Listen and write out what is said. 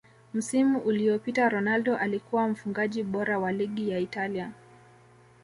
msimu uliyopita ronaldo alikuwa mfungaji bora wa ligi ya Italia